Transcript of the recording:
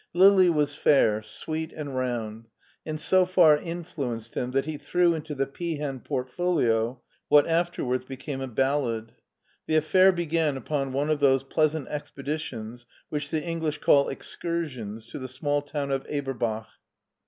Lili was fair, sweet, and round, and so far influenced him that he threw into the peahen portfolio what afterwards be came a ballad. The affair began upon one of those pleasant expeditions which the English call "excur sions '* to the small town of Eberbach.